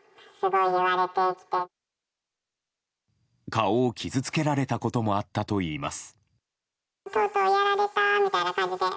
顔を傷つけられたこともあったといいます。